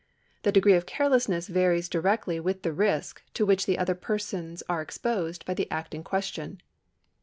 The degree of carelessness varies directly with the risk to which other persons are exposed by the act in question.